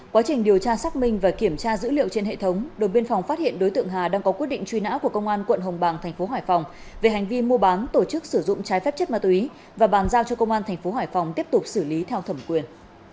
quá trình điều tra xác minh và kiểm tra dữ liệu trên hệ thống đồn biên phòng phát hiện đối tượng hà đang có quyết định truy nã của công an quận hồng bàng tp hải phòng về hành vi mua bán tổ chức sử dụng trái phép chất ma túy và bàn giao cho công an thành phố hải phòng tiếp tục xử lý theo thẩm quyền